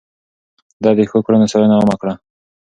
ده د ښو کړنو ستاينه عامه کړه.